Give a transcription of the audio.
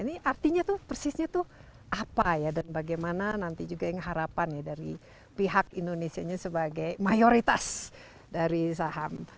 ini artinya tuh persisnya tuh apa ya dan bagaimana nanti juga yang harapan ya dari pihak indonesia nya sebagai mayoritas dari saham